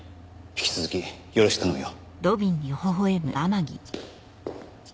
引き続きよろしく頼むよ。